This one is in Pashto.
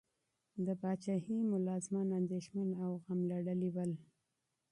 د پاچاهۍ ملازمان اندیښمن او غم لړلي ول.